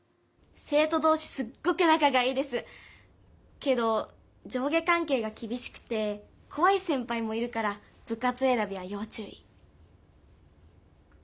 けど上下関係が厳しくて怖い先輩もいるから部活選びは要注意。